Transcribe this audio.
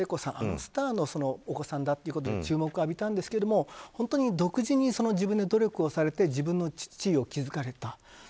スターのお子さんだということで注目を浴びたんですけど本当に独自に自分で努力をされて自分の地位を築かれた。